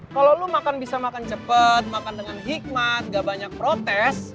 kalau lu bisa makan cepet makan dengan hikmat gak banyak protes